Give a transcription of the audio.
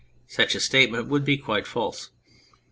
Such a statement would be quite false.